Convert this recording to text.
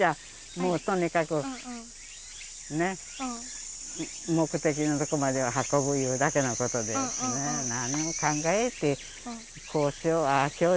もうとにかくねっ目的のとこまでは運ぶいうだけのことで何を考えてこうしようああしよう